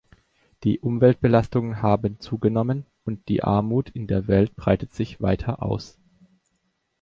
Die Umweltbelastungen haben zugenommen, und die Armut in der Welt breitet sich weiter aus.